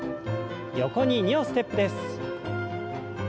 横に２歩ステップです。